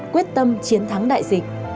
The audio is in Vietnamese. quyết tâm chiến thắng